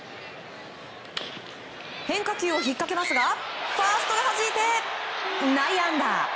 変化球をひっかけますがファーストがはじいて内野安打。